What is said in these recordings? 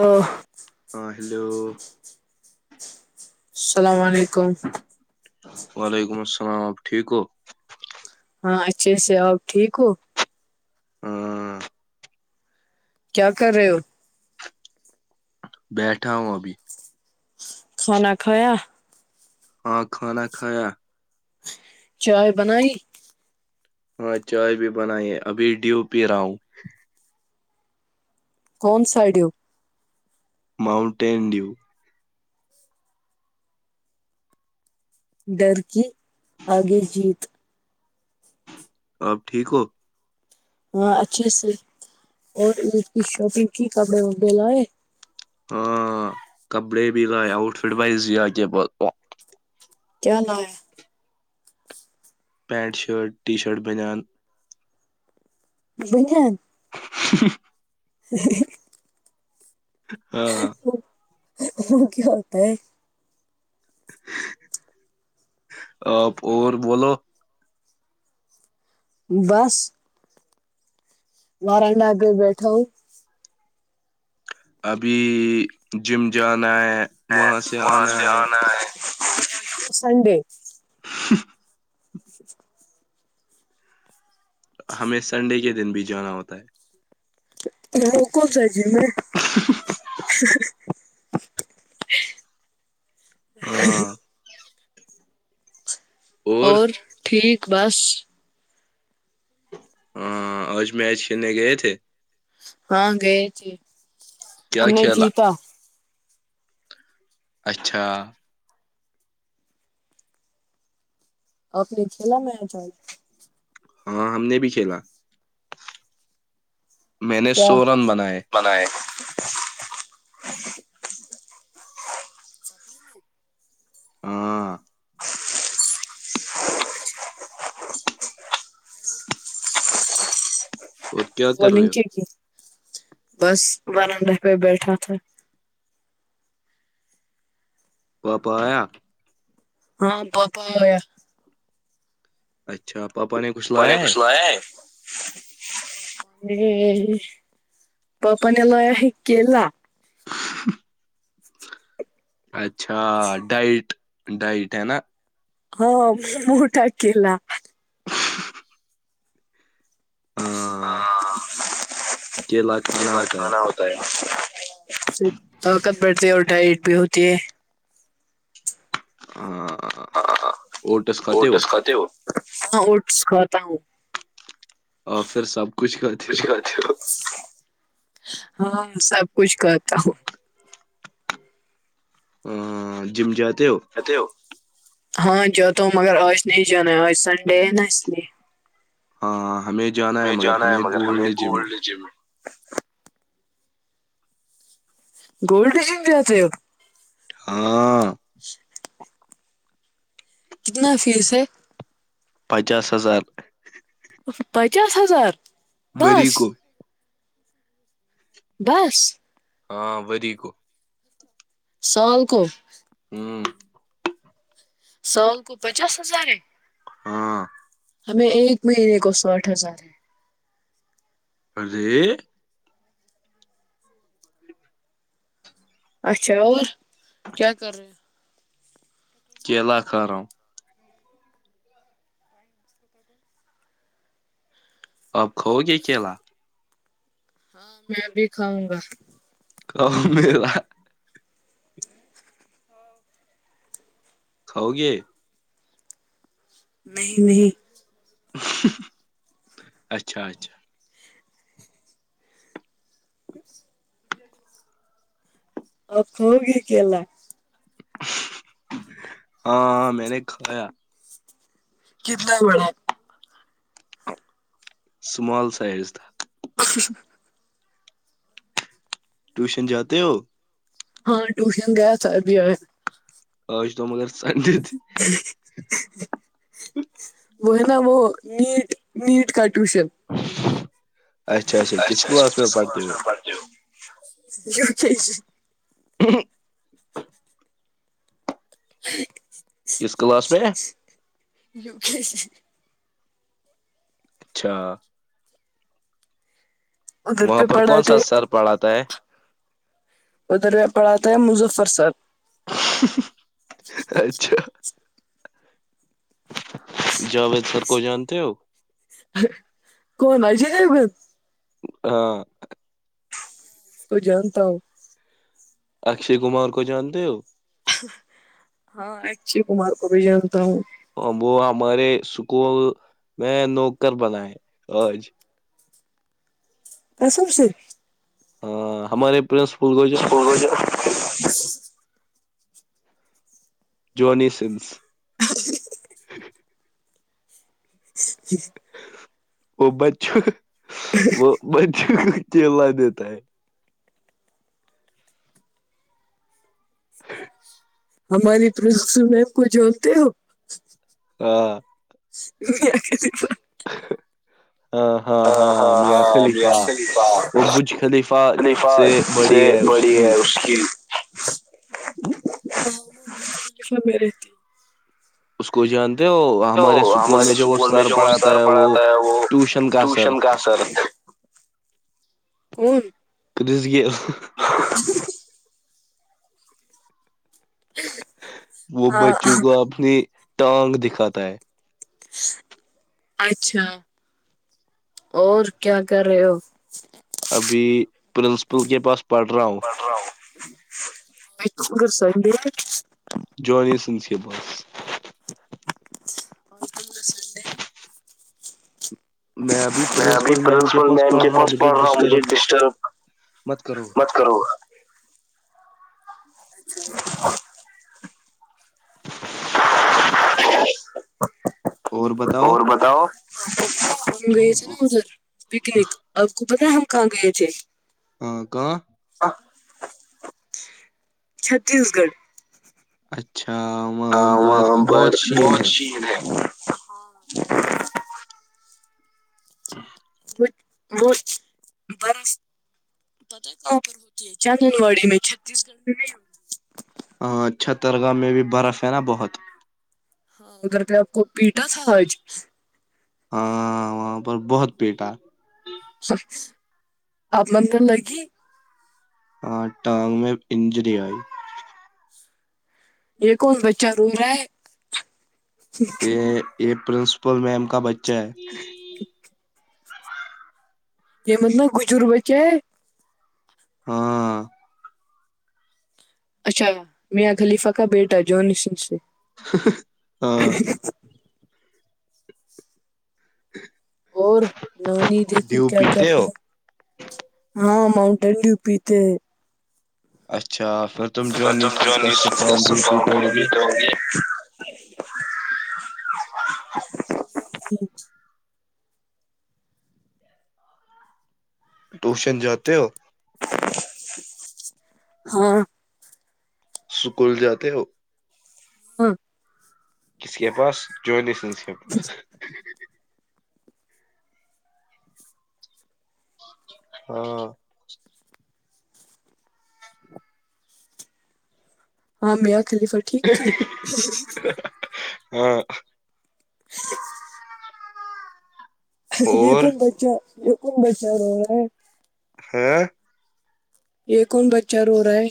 ا ہاں ہیلو السلام علیکم وعلیکم السلام آپ ٹھیک ہو ہاں اچھے سے اور ٹھیک ہو ہاں کیا کر رہے ہو بیٹھا ہوں ابھی کھانا کھایا ہاں کھانا کھایا چائے بنائی ہاں چائے بھی بنائی ہے ابھی ڈیو پی رہا ہوں کون ساڈو ماؤونٹینڈیو ڈرکی آگے جیت آپ ٹھیک ہو ہاں اچھے سے اور اس کی شاپنگ کی کپڑے وپڑے لائے ہاں کپڑے بھی رہ آؤٹ فٹ وائز آ کے کیا نام ہے پینٹ شرٹ ٹی شرٹ بنیان ب ہیں [unintelligible] [inaudible] ہ [inaudible] ہاں وہ کیا ہوتا ہے ا اور بولو بس نارائن ڈا گے بیٹھا ابھی جم جانا ہے وہاں سے وہ آنا سے ہے ن [unintelligible] سنڈے ہ [inaudible] اچھاچا ہمیں سنڈے کے دن بھی جانا ہوتا ہے وہ کو جی میں ہاں [unintelligible] اور ٹھیک بس ہاں آج میچ کھیلنے گئے تھے ہاں گئے تھ ہم کیا نے کھیلا جیتا اچھا اپنے کھیلا میں چ ہاں ہم نے بھی کھیلا میں نے کیا سو رن بنائے [unintelligible] ہاں اور کیا وہ کر رہے ہو نک کی بس وارانڈہ پہ بیٹھا تھا وپ آیا ہاں بہپ ہویا اچھا پاپا نے کچھ پانی لایا کس ل ہے [unintelligible] ا پاپا نے لو ہی کےلا [unintelligible] اچھا ڈائٹ ڈائٹ ہے نا ہاں م ڈٹک ل [unintelligible] ہاں ہج کھانا ہوتا ہے [unintelligible] طاقت بڑتی ہے اور ٹائڈ بھی ہوتی ہے ہاں ہاں وہوٹس کات ہو اوٹس [unintelligible] کھاتے ہاں اوٹس کھاتا ہوں اور پھر سب کچھ کرتے ہو ہاں سب کچھ کہتا ہوں ا جم جات [unintelligible] اتے ہو [unintelligible] ہاں جاتا ہوں مگر آج نہیں جانا ہے آج سنڈے ہے نا اس لیے ہاں ہمیں جانا ہے مگر ہمیں گولڈ جم میں [inaudible] گولڈشن بھیتے ہو [unintelligible] ہاں کتنا فیس ہے پچاس ہزار پچاس ہزار مری بس کو [inaudible] بس ہاں وی کو [unintelligible] سال کو ہوں [unintelligible] سال کو پچاس ہزار ہے ہاں ہمیں ایک مہینے کو ساٹھ ہزار ہے ارے اچھا اور کیا کر رہے ہیں [unintelligible] [inaudible] اب کھو گے کلا ہاں میں بھی کھاؤں گا ک م ل [unintelligible] کھاؤ گے نہیں نہیں اچھا اچھا آپ ہوگ کےلہ [unintelligible] ہاں میں نے کھایا کتنا ولا [unintelligible] اسمال سائز تھا [unintelligible] [inaudible] ٹیوشن جاتے ہو ہاں ٹیوشن گیا تھا ابھی آیا اج تو مگر تج ج [unintelligible] ب [unintelligible] ن وہ نٹ نٹ ک [inaudible] ٹیوشن اچھا اچھا کس کلاس میں پڑھتے ہو کہس [unintelligible] ہ [unintelligible] ٹ کس کلاس میں [unintelligible] یوگش [unintelligible] اچھا ادھر وہاں پہ پر کون سا پڑھاتے سر پڑھاتا ہے ادھر پڑھاتا ہے مظفر سر [inaudible] اچھا جاوید سر کو جانتے ہو کون اجے دیوگن ہاں اس کو جانتا ہوں اکشے کمار کو جانتے ہو ہاں اکشے کمار کو بھی جانتا ہوں وہ ہمارے اسکول میں نوکر بناہے آج قسم سے ہاں ہمارے پرنسپل کو اسکول ہو جانتے جو [inaudible] جونی سنس جی [inaudible] وہ بچچ وہ ب [inaudible] چلا دیتا ہے [inaudible] [inaudible] ہماری پرنسپل میم کو جانتے ہو ہاں نہیں [inaudible] ہ [inaudible] ہاں ہاں ہاں میاں ہاں میا خلیفہ خلیفہ وہ بج خلیفہ سے بڑی ہے اس کی م رہے تھی اس کو جان ہمارے اسکول ہمارے میں جو وہ اسکول سر جو پڑھا تھا سر ہے وہ پڑھاتا ہے ٹیوشن کا سر کا سر کون گ وہ ہاں بچوں کو اپنی ٹانگ دکھاتا ہے اچھا اور کیا کر رہے ہو ابھی پرنسپل کے پاس پڑھ رہا ہوں ب گ سڈ جونی سنس بس ولکم گ سنڈے میں ابھی پرنسپل میم کے پاس پڑھ رہا ہوں مجھے ڈسٹرب مت کرو گا اور بتاؤ ہم گئے تھے نا ادھر پکنک آپ کو بت ہم کہاں گئے تھے ہاں کہ چھتیس گڑھ اچھا ہاں وہاں پر بہت شیر ہے ہاں ا برس پوپر ہوتی چندن واڑی میں چھتیس گڑھ میں ا چھترگاہ میں بھی برف ہے نا بہت ہاں ادر پیٹا سہج ہاں وہاں پر بہت پیٹا آپ منتر لگی آاں ٹاام میں اننجری آئی یہ کون بچہ رو رہا ہے کہ یہ پرنسپل میم کا بچہ ہے ھ یہ مطلب بجربہ کیا ہے ہاں اچھا مں خلیفہ کا بیٹا جون سے ہاں اور نانی دیکھو ڈیو کیا کر پیتے رہی ہو ہے ہاں مؤنٹین ٹیو پی تھے اچھا پھر تو جونی تم جو سنس کا نہیں س ستا سپرانگ تو بھی پیتے ہوگے ٹھ ٹیوشن جاتے ہو ہاں سکول جاتے ہو ہاں کسی کے پاس جوسنس چپا ہاں ہاں میاں خلیفہ ٹھیک تھی ہاں گ اور بچچا یہن بیچ رہ ہے ہاں یہ کون بچہ رو رہا ہے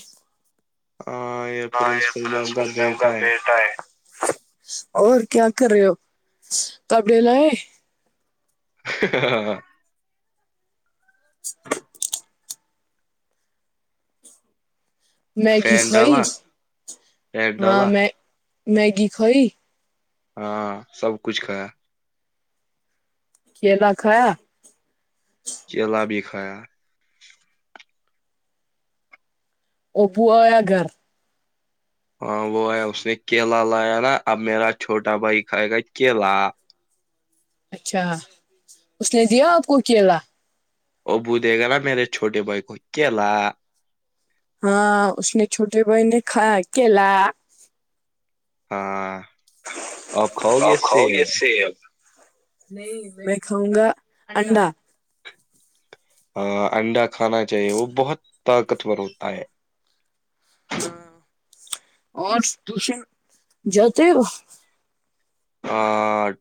ہاں یہ پرنسپل میم کا بیٹا ہے اور کیا کر رہے ہو کپ ڈے لیں ہاں ہاں میں کی فین سئی ڈالا پیٹ ہاں ڈالا میں میگی کھوئی ہاں سب کچھ کھایا کلا کھایا چلا بھی کھایا ابویا گھر ہاں وہ ہے اس نے کیلا لایا نا اب میرا چھوٹا بھائی کھائے گا کیلا اچھا اس نے دیا آپ کو کیلا ا بھے گا نا میرے چھوٹے بھائی کو کلا ہاں اس نے چھوٹے بھائین نے کھا اکیلا ہاں آپ کھاؤ گے اس سے نہیں میں کاؤں گا ٹھڈا انڈا کھانا چاہیے وہ بہت طاقتورور ہوتا ہے ہاں اور وشن جتے ہو ہ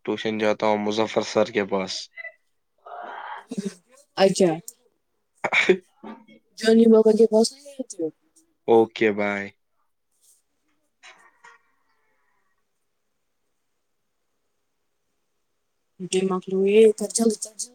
ٹیوشن جاتا ہوں مظفر سر کے پاس اچھا ج جونی بگت بستی ہو اوکے بائے ج مکلو یہ کر ج ت جل